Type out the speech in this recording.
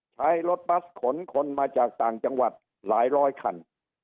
ใช้รถบัสขนคนมาจากต่างจังหวัดหลายร้อยคัน